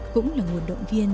cũng là nguồn động viên